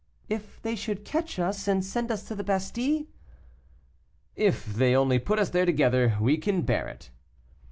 "If they should catch us, and send us to the Bastile?" "If they only put us there together, we can bear it."